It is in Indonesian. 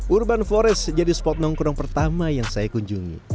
urban forest jadi spot nongkrong pertama yang saya kunjungi